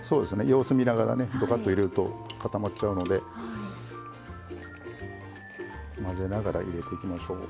様子見ながらねどかっと入れると固まっちゃうので混ぜながら入れていきましょう。